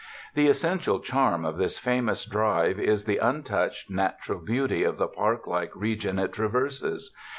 The essential charm of this famous drive is the untouched natural beauty of the park like re gion it traverses.